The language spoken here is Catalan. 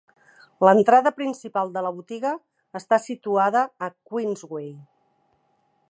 L'entrada principal de la botiga està situada a Queensway.